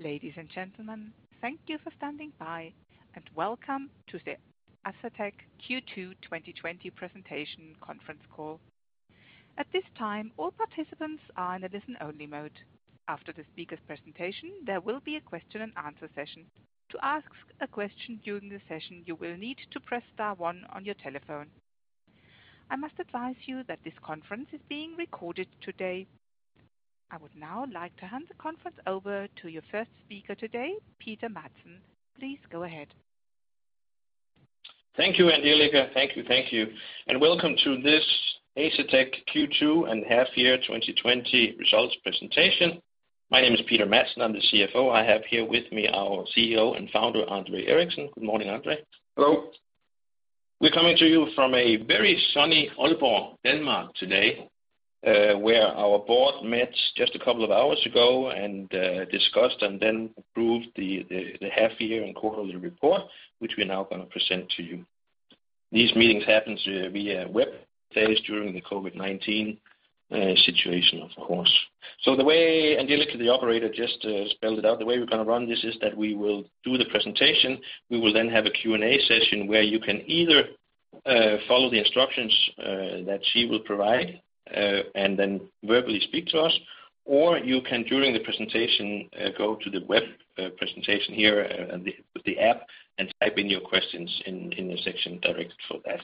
Ladies and gentlemen, thank you for standing by, and welcome to the Asetek Q2 2020 presentation conference call. At this time, all participants are in a listen-only mode. After the speaker's presentation, there will be a question-and-answer session. To ask a question during the session, you will need to press star one on your telephone. I must advise you that this conference is being recorded today. I would now like to hand the conference over to your first speaker today, Peter Madsen. Please go ahead. Thank you, Angelika. Thank you. Welcome to this Asetek Q2 and half-year 2020 results presentation. My name is Peter Madsen. I'm the CFO. I have here with me our CEO and Founder, André Eriksen. Good morning, André. Hello. We're coming to you from a very sunny Aalborg, Denmark today, where our board met just a couple of hours ago and discussed and then approved the half-year and quarterly report, which we're now going to present to you. These meetings happen via web these days during the COVID-19 situation, of course. The way Angelika, the operator, just spelled it out, the way we're going to run this is that we will do the presentation. We will then have a Q&A session where you can either follow the instructions that she will provide, and then verbally speak to us, or you can, during the presentation, go to the web presentation here with the app and type in your questions in the section directed for that.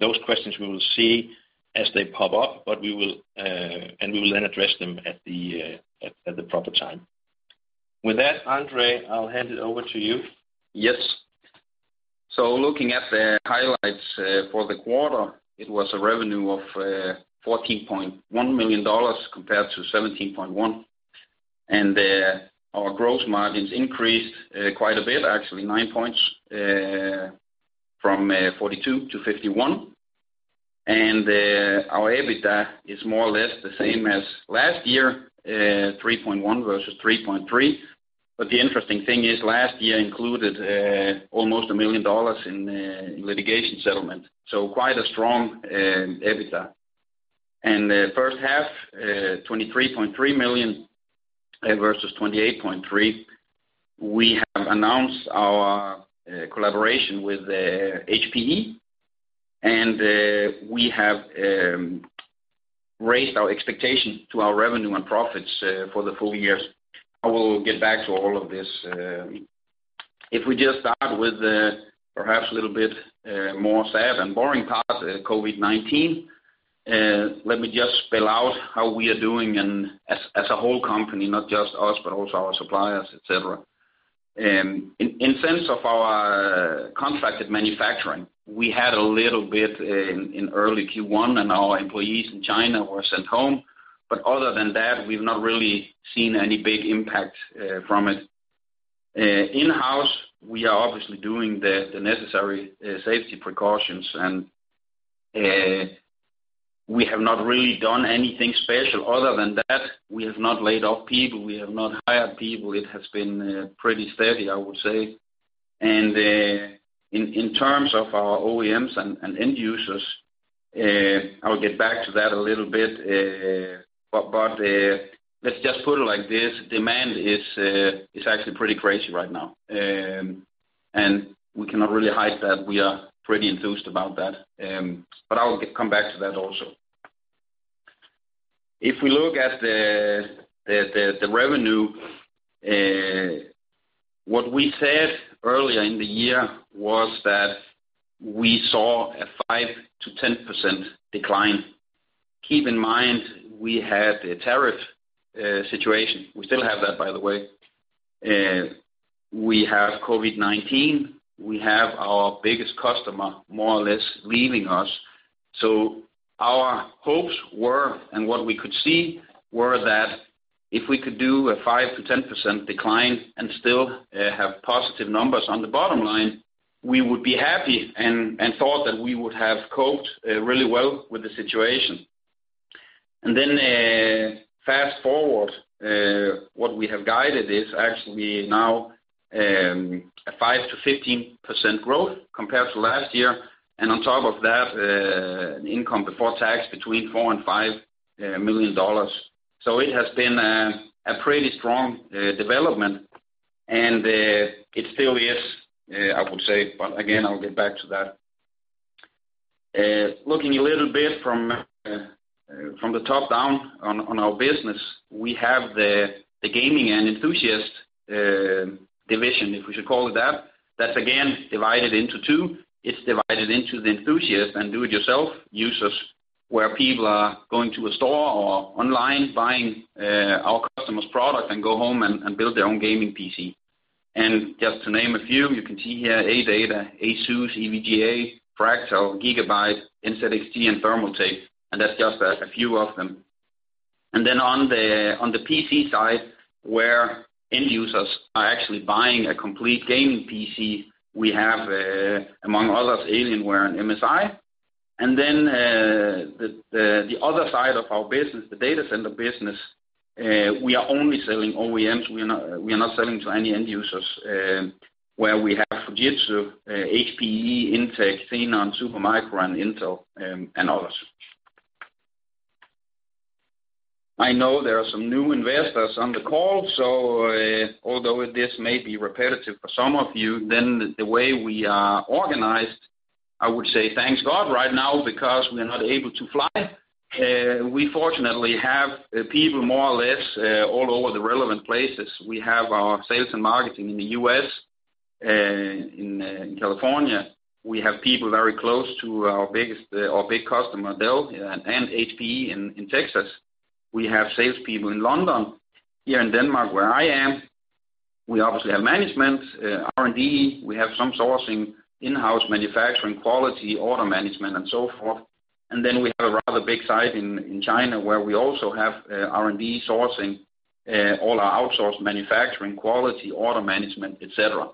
Those questions we will see as they pop up, and we will then address them at the proper time. With that, André, I'll hand it over to you. Yes. Looking at the highlights for the quarter, it was a revenue of $14.1 million compared to $17.1 million, and our gross margins increased quite a bit, actually 9 points, from 42% to 51%. Our EBITDA is more or less the same as last year, $3.1 million versus $3.3 million. The interesting thing is last year included almost $1 million in litigation settlement, so quite a strong EBITDA. The first half, $23.3 million versus $28.3 million. We have announced our collaboration with HPE, and we have raised our expectation to our revenue and profits for the full year. I will get back to all of this. If we just start with perhaps little bit more sad and boring part, COVID-19. Let me just spell out how we are doing and as a whole company, not just us, but also our suppliers, et cetera. In sense of our contracted manufacturing, we had a little bit in early Q1 and our employees in China were sent home. Other than that, we've not really seen any big impact from it. In-house, we are obviously doing the necessary safety precautions, and we have not really done anything special other than that. We have not laid off people. We have not hired people. It has been pretty steady, I would say. In terms of our OEMs and end users, I'll get back to that a little bit. Let's just put it like this, demand is actually pretty crazy right now. We cannot really hide that. We are pretty enthused about that. I will come back to that also. If we look at the revenue, what we said earlier in the year was that we saw a 5%-10% decline. Keep in mind, we had a tariff situation. We still have that, by the way. We have COVID-19. We have our biggest customer more or less leaving us. Our hopes were, and what we could see, were that if we could do a 5%-10% decline and still have positive numbers on the bottom line, we would be happy and thought that we would have coped really well with the situation. Fast-forward, what we have guided is actually now a 5%-15% growth compared to last year. On top of that, income before tax between $4 million and $5 million. It has been a pretty strong development, and it still is, I would say. Again, I'll get back to that. Looking a little bit from the top down on our business, we have the Gaming and Enthusiast division, if we should call it that. That's again divided into two. It's divided into the enthusiast and do-it-yourself users, where people are going to a store or online buying our customer's product and go home and build their own gaming PC. Just to name a few, you can see here ADATA, ASUS, EVGA, Fractal, Gigabyte, NZXT and Thermaltake, and that's just a few of them. Then on the PC side, where end users are actually buying a complete gaming PC, we have, among others, Alienware and MSI. Then the other side of our business, the data center business, we are only selling OEMs. We are not selling to any end users, where we have Fujitsu, HPE, Intech, XENON, Supermicro and Intel, and others. I know there are some new investors on the call. Although this may be repetitive for some of you, the way we are organized, I would say, thank God right now because we are not able to fly. We fortunately have people more or less all over the relevant places. We have our sales and marketing in the U.S. and in California. We have people very close to our big customer, Dell and HPE in Texas. We have salespeople in London. Here in Denmark, where I am, we obviously have management, R&D, we have some sourcing, in-house manufacturing, quality, order management, and so forth. Then we have a rather big site in China where we also have R&D sourcing, all our outsourced manufacturing, quality, order management, et cetera.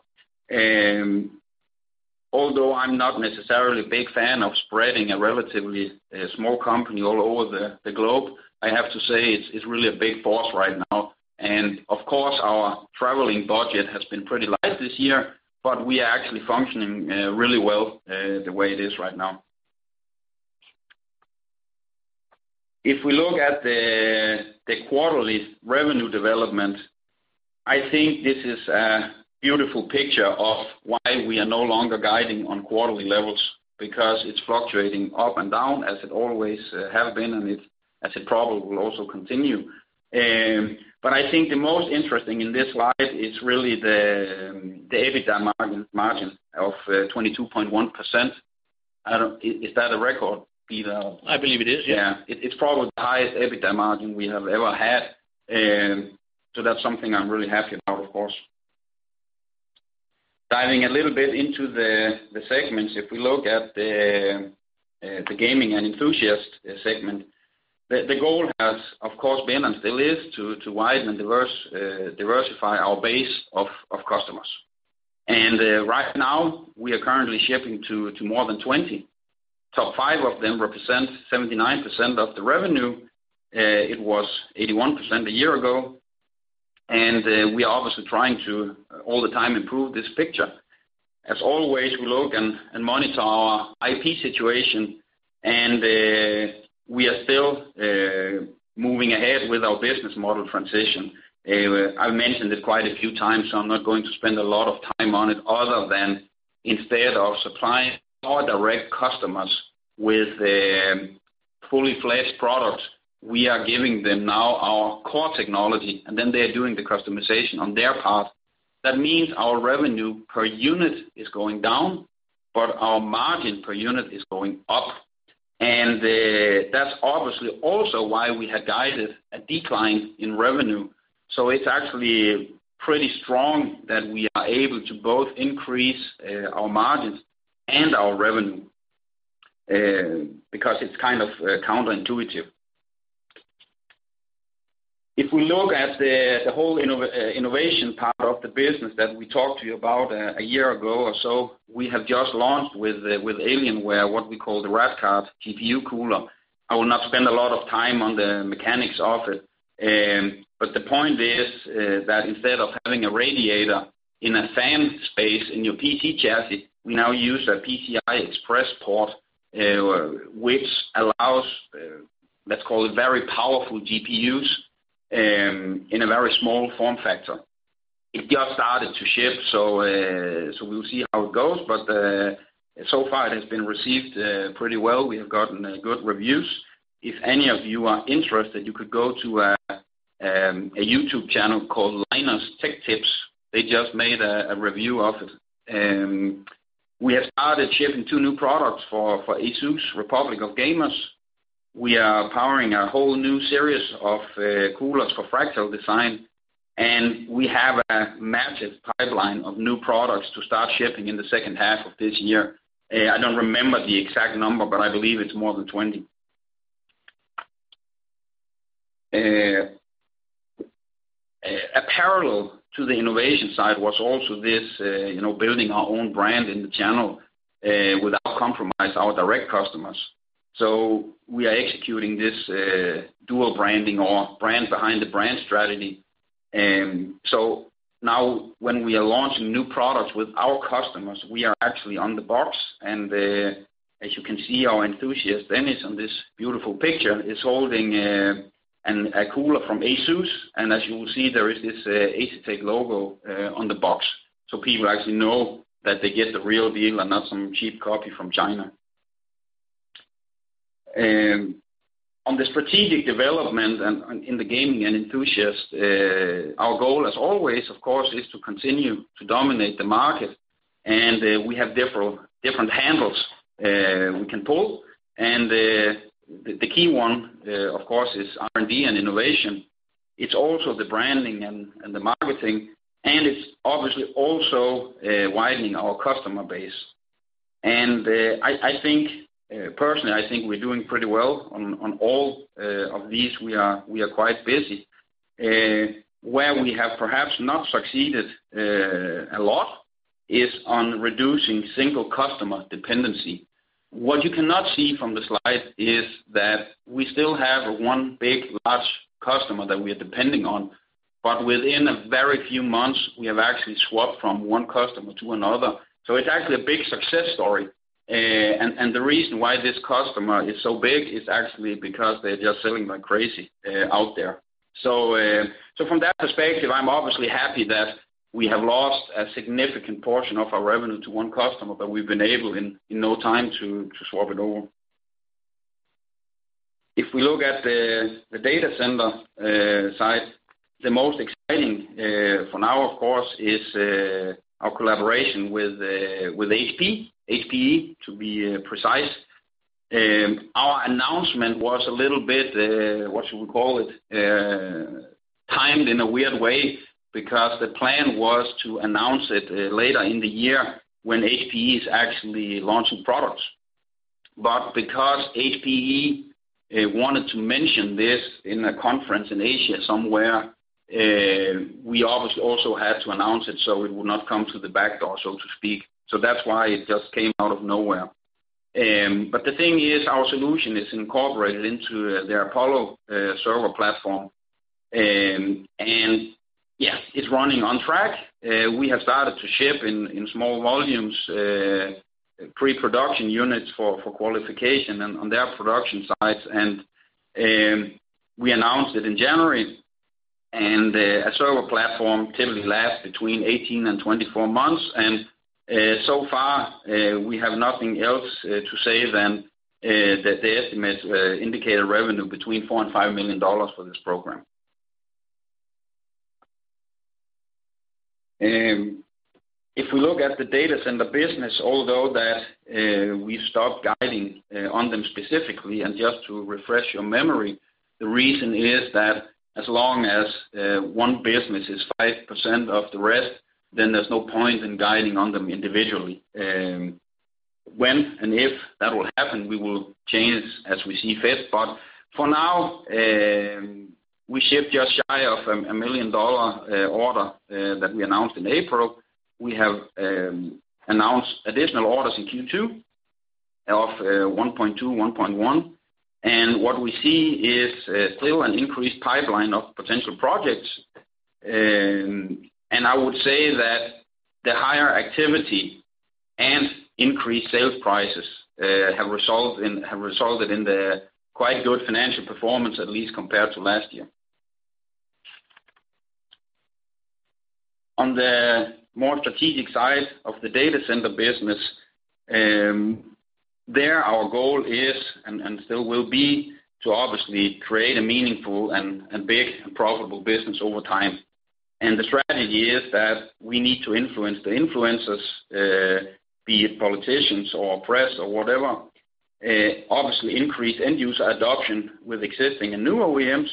Although I'm not necessarily a big fan of spreading a relatively small company all over the globe, I have to say it's really a big force right now. Of course, our traveling budget has been pretty light this year, but we are actually functioning really well the way it is right now. If we look at the quarterly revenue development, I think this is a beautiful picture of why we are no longer guiding on quarterly levels because it's fluctuating up and down as it always has been and as it probably will also continue. I think the most interesting in this slide is really the EBITDA margin of 22.1%. Is that a record, Peter? I believe it is, yeah. Yeah. It's probably the highest EBITDA margin we have ever had. That's something I'm really happy about, of course. Diving a little bit into the segments, if we look at the Gaming and Enthusiast segment, the goal has, of course, been and still is to widen and diversify our base of customers. Right now, we are currently shipping to more than 20. Top five of them represent 79% of the revenue. It was 81% a year ago, we are obviously trying to, all the time, improve this picture. As always, we look and monitor our IP situation, we are still moving ahead with our business model transition. I've mentioned this quite a few times, so I'm not going to spend a lot of time on it other than instead of supplying our direct customers with fully fledged products, we are giving them now our core technology, and then they're doing the customization on their part. That means our revenue per unit is going down, but our margin per unit is going up. It's actually pretty strong that we are able to both increase our margins and our revenue, because it's kind of counterintuitive. If we look at the whole innovation part of the business that we talked to you about a year ago or so, we have just launched with Alienware, what we call the Rad Card GPU Cooler. I will not spend a lot of time on the mechanics of it. The point is that instead of having a radiator in a fan space in your PC chassis, we now use a PCI Express port, which allows, let's call it very powerful GPUs in a very small form factor. It just started to ship, so we'll see how it goes, but so far it has been received pretty well. We have gotten good reviews. If any of you are interested, you could go to a YouTube channel called Linus Tech Tips. They just made a review of it. We have started shipping two new products for ASUS Republic of Gamers. We are powering a whole new series of coolers for Fractal Design, and we have a massive pipeline of new products to start shipping in the second half of this year. I don't remember the exact number, but I believe it's more than 20. A parallel to the innovation side was also this building our own brand in the channel without compromising our direct customers. We are executing this dual branding or brand behind the brand strategy. Now when we are launching new products with our customers, we are actually on the box and as you can see, our enthusiast, Dennis, on this beautiful picture, is holding a cooler from ASUS. As you will see, there is this Asetek logo on the box. People actually know that they get the real deal and not some cheap copy from China. On the strategic development and in the Gaming and Enthusiast, our goal as always, of course, is to continue to dominate the market and we have different handles we can pull. The key one, of course, is R&D and innovation. It's also the branding and the marketing, and it's obviously also widening our customer base. Personally, I think we're doing pretty well on all of these. We are quite busy. Where we have perhaps not succeeded a lot is on reducing single customer dependency. What you cannot see from the slide is that we still have one big, large customer that we are depending on. Within a very few months, we have actually swapped from one customer to another. It's actually a big success story. The reason why this customer is so big is actually because they're just selling like crazy out there. From that perspective, I'm obviously happy that we have lost a significant portion of our revenue to one customer, but we've been able in no time to swap it over. If we look at the data center side, the most exciting for now, of course, is our collaboration with HPE. HPE, to be precise. Our announcement was a little bit, what should we call it? Timed in a weird way, because the plan was to announce it later in the year when HPE is actually launching products. Because HPE wanted to mention this in a conference in Asia somewhere, we obviously also had to announce it so it would not come to the backdoor, so to speak. That's why it just came out of nowhere. The thing is, our solution is incorporated into their Apollo server platform, and yeah, it's running on track. We have started to ship in small volumes, pre-production units for qualification on their production sites. We announced it in January, and a server platform typically lasts between 18 and 24 months. So far, we have nothing else to say than that the estimates indicate a revenue between $4 million and $5 million for this program. If we look at the data center business, although that we've stopped guiding on them specifically, and just to refresh your memory, the reason is that as long as one business is 5% of the rest, then there's no point in guiding on them individually. When and if that will happen, we will change as we see fit. For now, we shipped just shy of a million-dollar order that we announced in April. We have announced additional orders in Q2 of $1.2 million, $1.1 million. What we see is still an increased pipeline of potential projects. I would say that the higher activity and increased sales prices have resulted in the quite good financial performance, at least compared to last year. On the more strategic side of the data center business, there our goal is and still will be to obviously create a meaningful and big profitable business over time. The strategy is that we need to influence the influencers, be it politicians or press or whatever. Obviously increase end-user adoption with existing and new OEMs,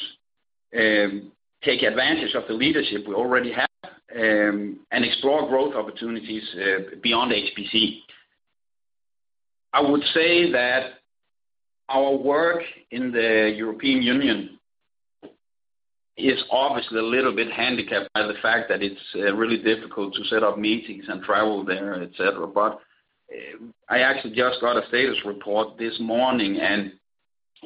take advantage of the leadership we already have, and explore growth opportunities beyond HPC. I would say that our work in the European Union is obviously a little bit handicapped by the fact that it's really difficult to set up meetings and travel there, et cetera. I actually just got a status report this morning, and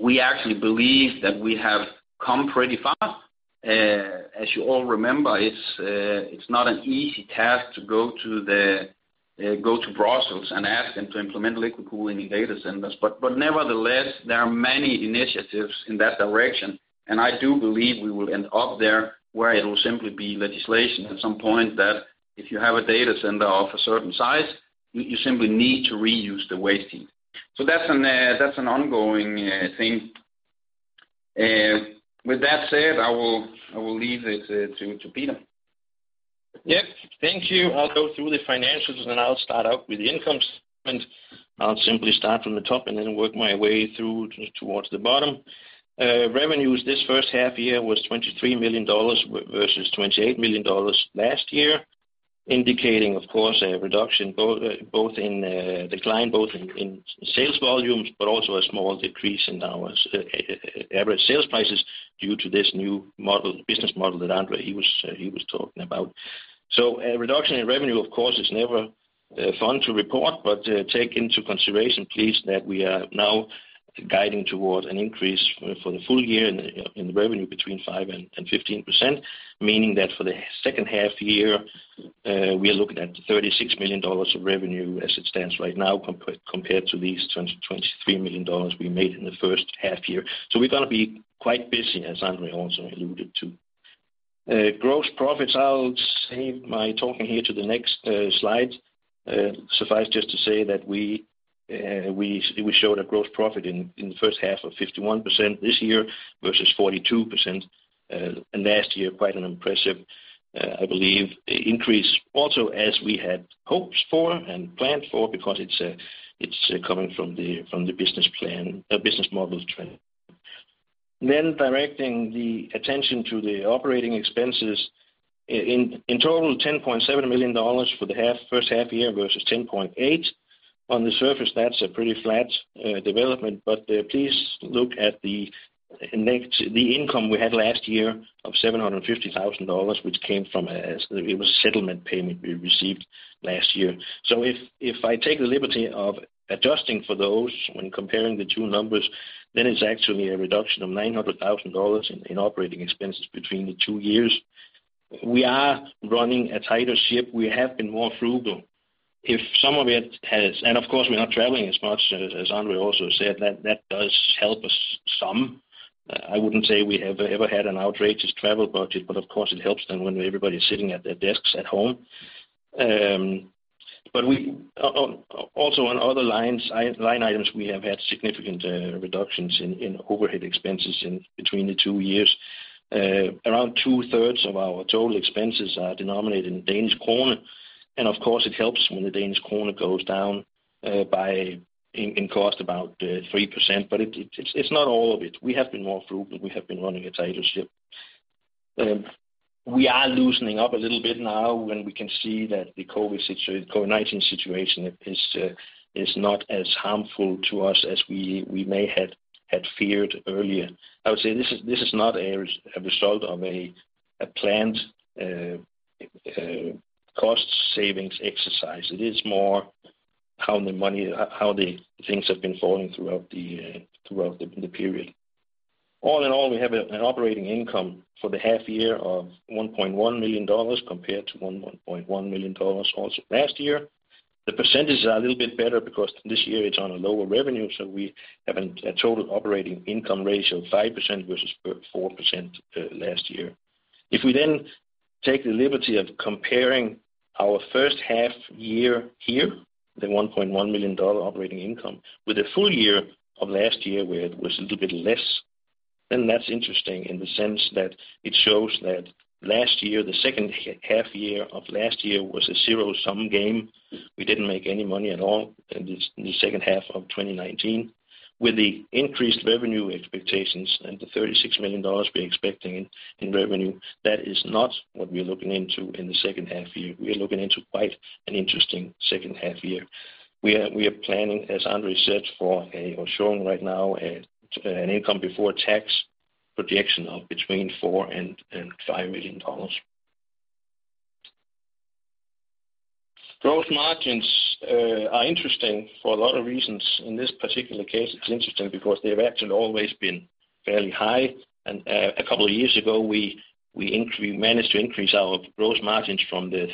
we actually believe that we have come pretty far. As you all remember, it's not an easy task to go to Brussels and ask them to implement liquid cooling in data centers. Nevertheless, there are many initiatives in that direction, and I do believe we will end up there where it'll simply be legislation at some point that if you have a data center of a certain size, you simply need to reuse the waste heat. That's an ongoing thing. With that said, I will leave it to Peter. Yes. Thank you. I'll go through the financials, and I'll start out with the income statement. I'll simply start from the top and then work my way through towards the bottom. Revenues this first half year was $23 million versus $28 million last year, indicating, of course, a reduction, a decline both in sales volumes, but also a small decrease in our average sales prices due to this new business model that André, he was talking about. A reduction in revenue, of course, is never fun to report, but take into consideration, please, that we are now guiding towards an increase for the full year in the revenue between 5% and 15%, meaning that for the second half year, we are looking at $36 million of revenue as it stands right now compared to these $23 million we made in the first half year. We're going to be quite busy, as André also alluded to. Gross profits, I'll save my talking here to the next slide. Suffice just to say that we showed a gross profit in the first half of 51% this year versus 42% last year. Quite an impressive, I believe, increase. Also, as we had hoped for and planned for, because it's coming from the business model trend. Directing the attention to the operating expenses. In total, $10.7 million for the first half year versus $10.8 million. On the surface, that's a pretty flat development. Please look at the income we had last year of $750,000, it was a settlement payment we received last year. If I take the liberty of adjusting for those when comparing the two numbers, then it's actually a reduction of $900,000 in operating expenses between the two years. We are running a tighter ship. We have been more frugal. If some of it has, and of course, we're not traveling as much, as André also said, that does help us some. I wouldn't say we have ever had an outrageous travel budget, but of course, it helps then when everybody's sitting at their desks at home. Also on other line items, we have had significant reductions in overhead expenses between the two years. Around 2/3 of our total expenses are denominated in Danish kroner, and of course, it helps when the Danish kroner goes down in cost about 3%, but it's not all of it. We have been more frugal. We have been running a tighter ship. We are loosening up a little bit now when we can see that the COVID-19 situation is not as harmful to us as we may have feared earlier. I would say this is not a result of a planned cost savings exercise. It is more how the things have been falling throughout the period. All in all, we have an operating income for the half year of $1.1 million compared to $1.1 million also last year. The percentages are a little bit better because this year it's on a lower revenue, so we have a total operating income ratio of 5% versus 4% last year. If we then take the liberty of comparing our first half year here, the $1.1 million operating income, with the full year of last year, where it was a little bit less, then that's interesting in the sense that it shows that last year, the second half year of last year was a zero-sum game. We didn't make any money at all in the second half of 2019. With the increased revenue expectations and the $36 million we're expecting in revenue, that is not what we're looking into in the second half year. We are looking into quite an interesting second half year. We are planning, as André said, or showing right now, an income before tax projection of between $4 million and $5 million. Gross margins are interesting for a lot of reasons. In this particular case, it's interesting because they've actually always been fairly high. A couple of years ago, we managed to increase our gross margins from the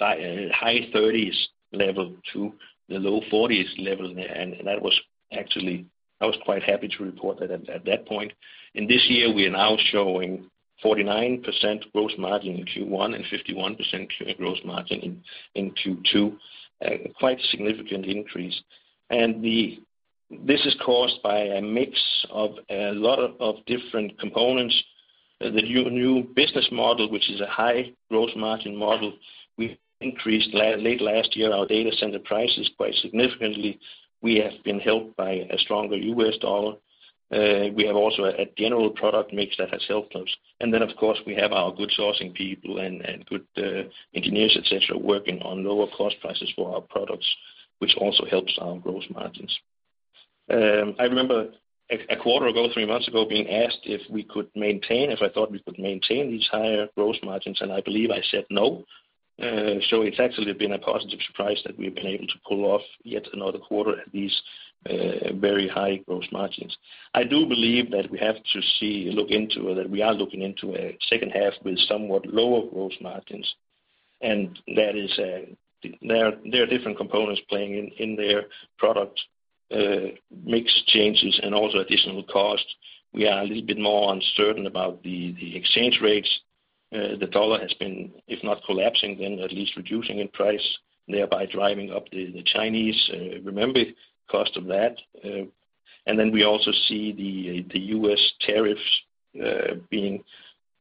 high 30s level to the low 40s level, and I was quite happy to report that at that point. In this year, we are now showing 49% gross margin in Q1 and 51% gross margin in Q2, quite a significant increase. This is caused by a mix of a lot of different components. The new business model, which is a high gross margin model. We increased late last year our data center prices quite significantly. We have been helped by a stronger U.S. dollar. We have also a general product mix that has helped us. Of course, we have our good sourcing people and good engineers, et cetera, working on lower cost prices for our products, which also helps our gross margins. I remember a quarter ago, three months ago, being asked if I thought we could maintain these higher gross margins. I believe I said no. It's actually been a positive surprise that we've been able to pull off yet another quarter at these very high gross margins. I do believe that we are looking into a second half with somewhat lower gross margins. There are different components playing in there, product mix changes, and also additional costs. We are a little bit more uncertain about the exchange rates. The dollar has been, if not collapsing, then at least reducing in price, thereby driving up the Chinese renminbi, cost of that. Then we also see the U.S. tariffs being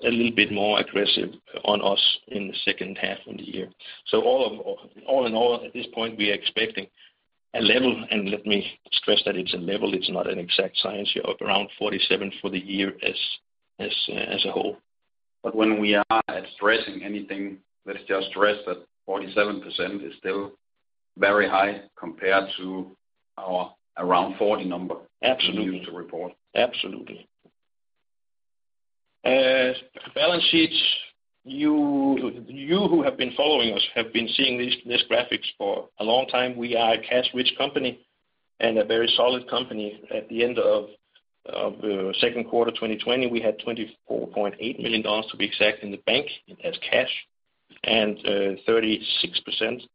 a little bit more aggressive on us in the second half of the year. All in all, at this point, we are expecting a level, and let me stress that it's a level, it's not an exact science here, of around 47% for the year as a whole. When we are stressing anything, let's just stress that 47% is still very high compared to our around 40% we used to report. Absolutely. Balance sheets. You who have been following us have been seeing these graphics for a long time. We are a cash-rich company and a very solid company. At the end of the second quarter 2020, we had $24.8 million, to be exact, in the bank as cash. 76%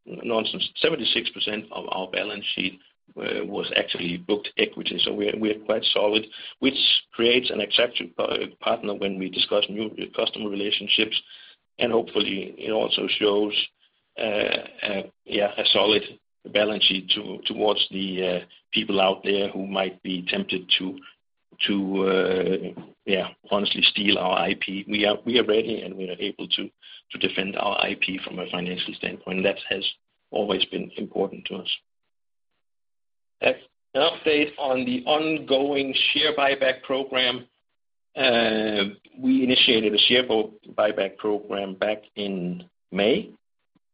of our balance sheet was actually booked equity. We are quite solid, which creates an attractive partner when we discuss new customer relationships. Hopefully, it also shows a solid balance sheet towards the people out there who might be tempted to honestly steal our IP. We are ready and we are able to defend our IP from a financial standpoint, and that has always been important to us. An update on the ongoing share buyback program. We initiated a share buyback program back in May.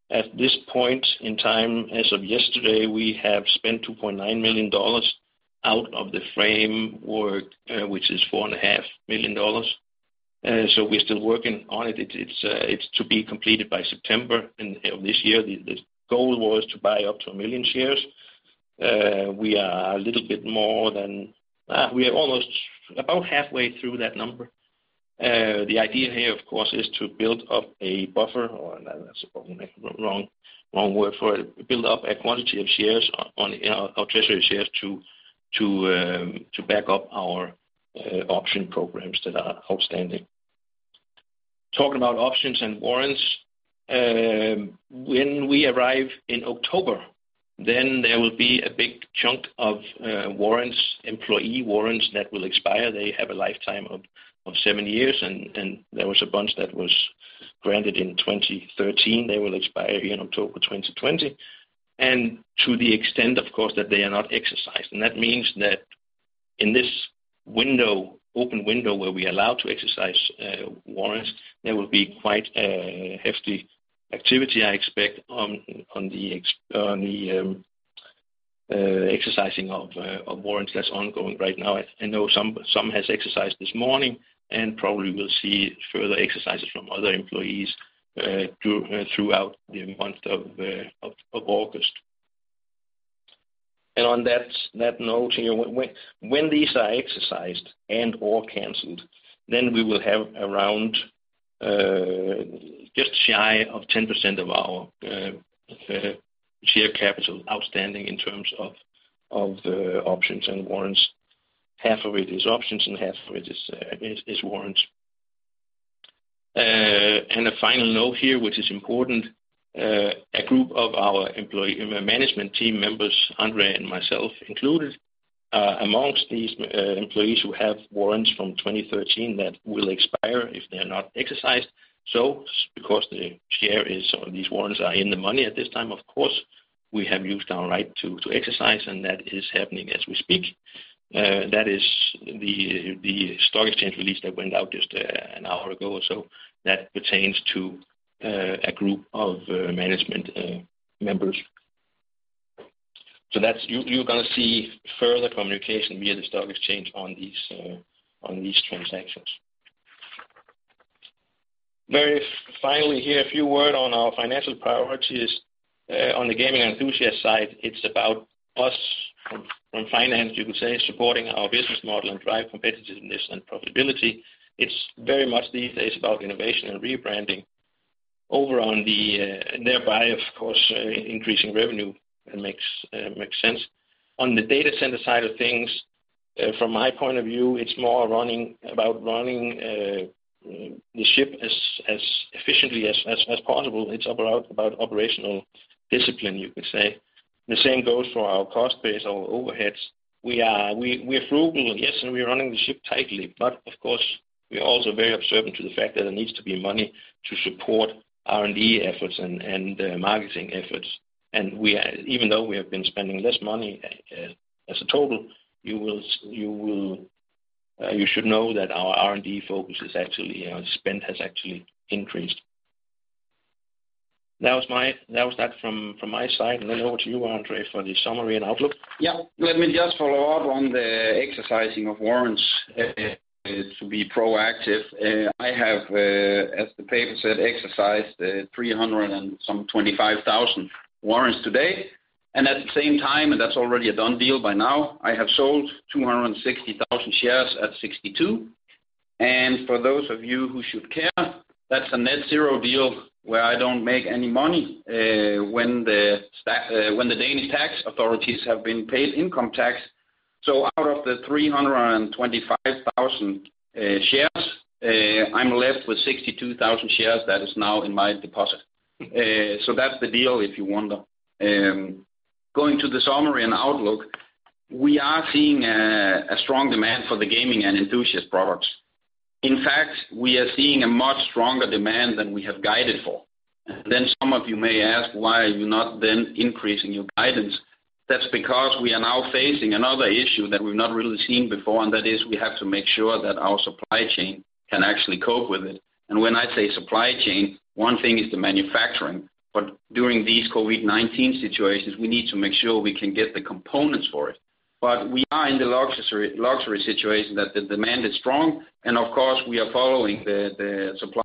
At this point in time, as of yesterday, we have spent $2.9 million out of the framework, which is $4.5 million. We're still working on it. It's to be completed by September of this year. The goal was to buy up to 1 million shares. We are almost about halfway through that number. The idea here, of course, is to build up a buffer, or that's probably the wrong word for it. Build up a quantity of treasury shares to back up our option programs that are outstanding. Talking about options and warrants. When we arrive in October, then there will be a big chunk of employee warrants that will expire. They have a lifetime of seven years, and there was a bunch that was granted in 2013. They will expire in October 2020. To the extent, of course, that they are not exercised. That means that in this open window where we are allowed to exercise warrants, there will be quite a hefty activity, I expect, on the exercising of warrants that's ongoing right now. I know some has exercised this morning, and probably we'll see further exercises from other employees throughout the month of August. On that note, when these are exercised and/or canceled, then we will have around just shy of 10% of our share capital outstanding in terms of the options and warrants. Half of it is options, and half of it is warrants. A final note here, which is important, a group of our management team members, André and myself included, amongst these employees who have warrants from 2013 that will expire if they're not exercised. Because these warrants are in the money at this time, of course, we have used our right to exercise, and that is happening as we speak. That is the stock exchange release that went out just an hour ago or so. That pertains to a group of management members. You're going to see further communication via the stock exchange on these transactions. Very finally here, a few word on our financial priorities. On the gaming enthusiast side, it's about us from finance, you could say, supporting our business model and drive competitiveness and profitability. It's very much these days about innovation and rebranding, thereby, of course, increasing revenue. It makes sense. On the data center side of things, from my point of view, it's more about running the ship as efficiently as possible. It's about operational discipline, you could say. The same goes for our cost base, our overheads. We are frugal, yes, and we are running the ship tightly. Of course, we are also very observant to the fact that there needs to be money to support R&D efforts and marketing efforts. Even though we have been spending less money as a total, you should know that our R&D focus is actually, our spend has actually increased. That was that from my side. Then over to you, André, for the summary and outlook. Yeah. Let me just follow up on the exercising of warrants to be proactive. I have, as the paper said, exercised 325,000 warrants today. At the same time, and that's already a done deal by now, I have sold 260,000 shares at 62. For those of you who should care, that's a net zero deal where I don't make any money when the Danish tax authorities have been paid income tax. Out of the 325,000 shares, I'm left with 62,000 shares that is now in my deposit. That's the deal, if you wonder. Going to the summary and outlook, we are seeing a strong demand for the Gaming and Enthusiast products. In fact, we are seeing a much stronger demand than we have guided for. Some of you may ask, why are you not then increasing your guidance? That's because we are now facing another issue that we've not really seen before, and that is we have to make sure that our supply chain can actually cope with it. When I say supply chain, one thing is the manufacturing. During these COVID-19 situations, we need to make sure we can get the components for it. We are in the luxury situation that the demand is strong. Of course, we are following the supply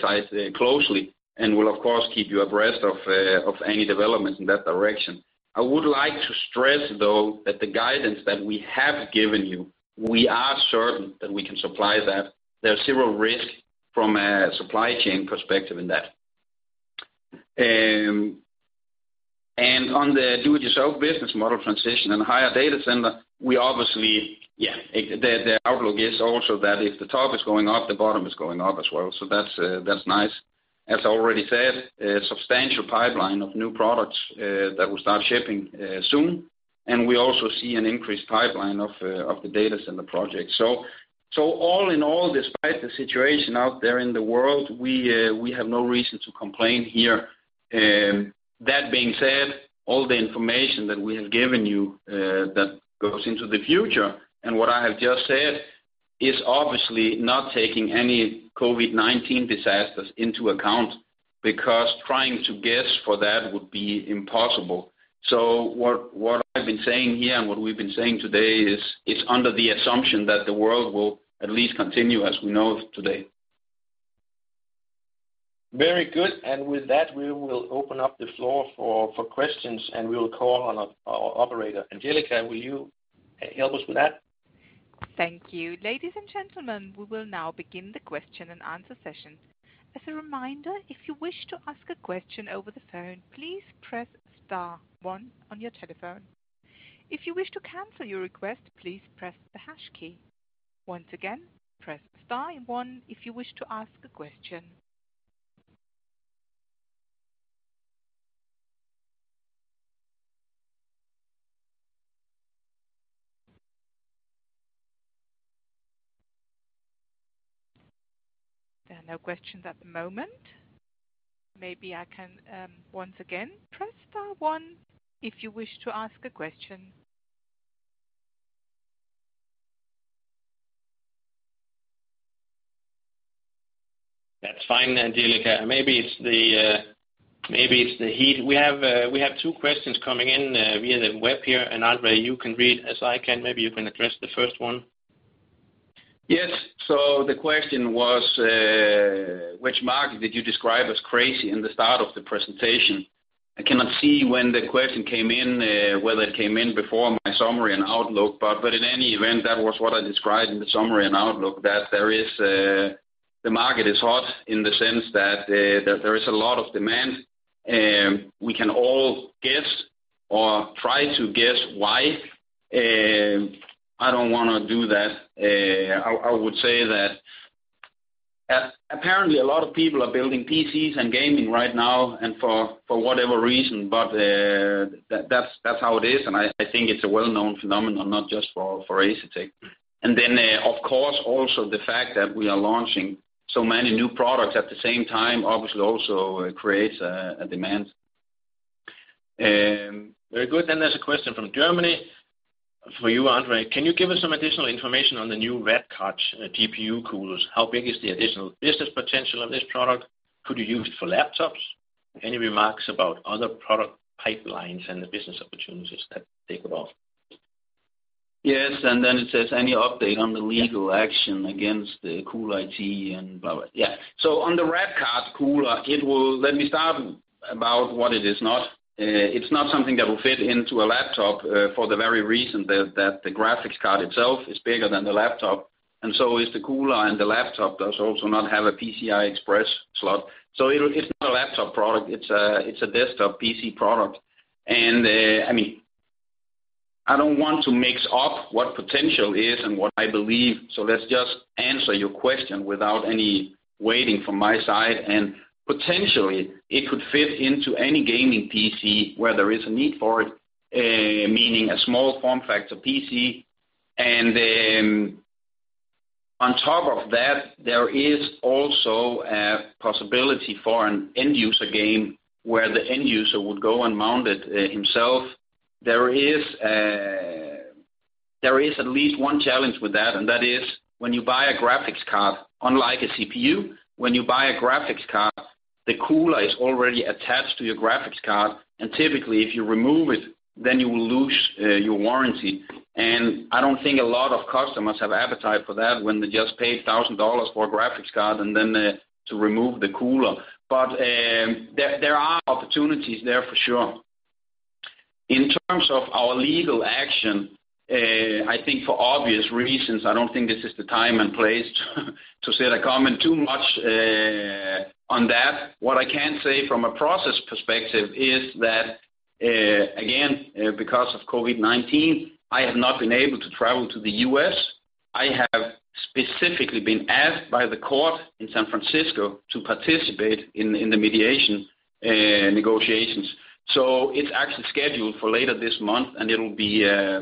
side closely and will of course keep you abreast of any developments in that direction. I would like to stress, though, that the guidance that we have given you, we are certain that we can supply that. There's zero risk from a supply chain perspective in that. On the do-it-yourself business model transition and higher data center, we obviously, the outlook is also that if the top is going up, the bottom is going up as well. That's nice. As I already said, a substantial pipeline of new products that will start shipping soon. We also see an increased pipeline of the data center project. All in all, despite the situation out there in the world, we have no reason to complain here. That being said, all the information that we have given you that goes into the future and what I have just said, is obviously not taking any COVID-19 disasters into account, because trying to guess for that would be impossible. What I've been saying here and what we've been saying today is under the assumption that the world will at least continue as we know it today. Very good. With that, we will open up the floor for questions, and we'll call on our operator. Angelika, will you help us with that? Thank you. Ladies and gentlemen, we will now begin the question-and-answer session. As a reminder, if you wish to ask a question over the phone, please press star one on your telephone. If you wish to cancel your request, please press the hash key. Once again, press star one if you wish to ask a question. There are no questions at the moment. Maybe I can once again, press star one if you wish to ask a question. That's fine, Angelika. Maybe it's the heat. We have two questions coming in via the web here. André, you can read as I can. Maybe you can address the first one. Yes. The question was, which market did you describe as crazy in the start of the presentation? I cannot see when the question came in, whether it came in before my summary and outlook. In any event, that was what I described in the summary and outlook, that the market is hot in the sense that there is a lot of demand. We can all guess or try to guess why. I don't want to do that. I would say that apparently a lot of people are building PCs and gaming right now and for whatever reason. That's how it is, and I think it's a well-known phenomenon, not just for Asetek. Of course, also the fact that we are launching so many new products at the same time, obviously also creates a demand. Very good. There's a question from Germany for you, André. Can you give us some additional information on the new Rad Card GPU coolers? How big is the additional business potential of this product? Could you use for laptops? Any remarks about other product pipelines and the business opportunities that they could offer? Yes. It says any update on the legal action against the CoolIT and blah. Yeah. On the Rad Card GPU cooler, let me start about what it is not. It's not something that will fit into a laptop for the very reason that the graphics card itself is bigger than the laptop, and so is the cooler, and the laptop does also not have a PCI Express slot. It's not a laptop product. It's a desktop PC product. I don't want to mix up what potential is and what I believe. Let's just answer your question without any waiting from my side. Potentially, it could fit into any gaming PC where there is a need for it, meaning a small form factor PC. On top of that, there is also a possibility for an end-user game where the end user would go and mount it himself. There is at least one challenge with that, and that is when you buy a graphics card, unlike a CPU, when you buy a graphics card, the cooler is already attached to your graphics card, and typically, if you remove it, then you will lose your warranty. I don't think a lot of customers have appetite for that when they just paid $1,000 for a graphics card and then to remove the cooler. There are opportunities there for sure. In terms of our legal action, I think for obvious reasons, I don't think this is the time and place to shed a comment too much on that. What I can say from a process perspective is that, again, because of COVID-19, I have not been able to travel to the U.S. I have specifically been asked by the court in San Francisco to participate in the mediation negotiations. It's actually scheduled for later this month, and it'll be a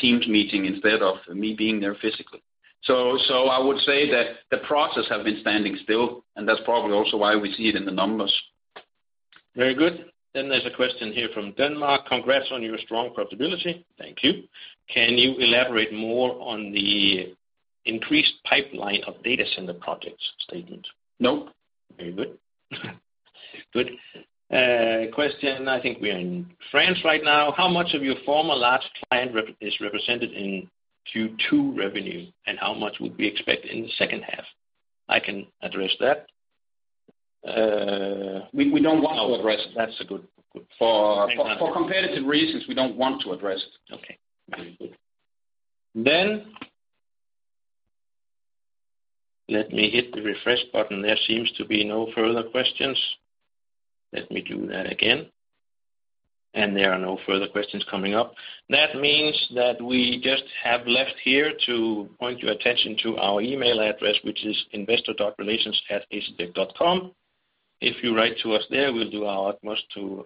Teams meeting instead of me being there physically. I would say that the process has been standing still, and that's probably also why we see it in the numbers. Very good. There's a question here from Denmark. Congrats on your strong profitability. Thank you. Can you elaborate more on the increased pipeline of data center projects statement? No. Very good. Good. A question, I think we are in France right now. How much of your former large client is represented in Q2 revenue, and how much would we expect in the second half? I can address that. We don't want to address it. That's good. For competitive reasons, we don't want to address it. Okay. Very good. Let me hit the refresh button. There seems to be no further questions. Let me do that again. There are no further questions coming up. That means that we just have left here to point your attention to our email address, which is investor.relations@asetek.com. If you write to us there, we'll do our utmost to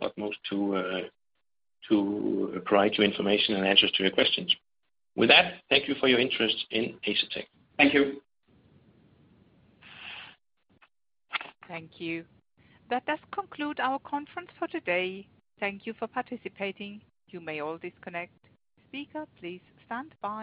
provide you information and answers to your questions. With that, thank you for your interest in Asetek. Thank you. Thank you. That does conclude our conference for today. Thank you for participating. You may all disconnect. Speaker, please stand by.